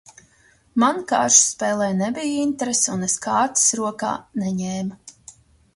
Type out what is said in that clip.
Man kāršu spēlei nebija interese un es kārtis rokā neņēmu.